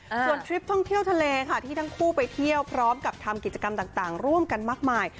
ส่วนทริปท่องเที่ยวทะเลค่ะที่ทั้งคู่ไปเที่ยวพร้อมกับทำกิจกรรมต่างร่วมกันมากมาย